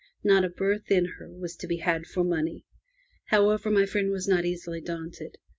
Not a berth in her was to be had for money. However, my friend was not easily daunted.